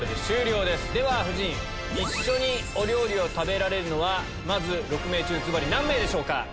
では夫人一緒にお料理を食べられるのはまず６名中ズバリ何名でしょうか？